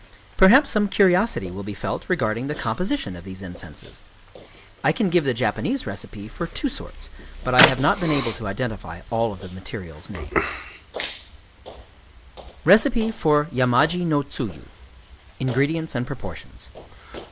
Perhaps some curiosity will be felt regarding the composition of these incenses. I can give the Japanese recipes for two sorts; but I have not been able to identify all of the materials named:— Recipe for Yamaji no Tsuyu. Ingredients Proportions.